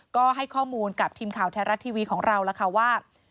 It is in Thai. ก็ให้ข้อมูลกับทีมข่าวไทยรัฐทีวีของเราแล้วค่ะว่า